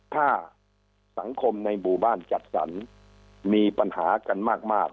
ถ้าสังคมในหมู่บ้านจัดสรรมีปัญหากันมาก